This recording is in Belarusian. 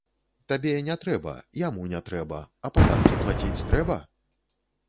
Табе не трэба, яму не трэба, а падаткі плаціць трэба?